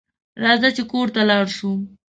راځه چې کور ته لاړ شو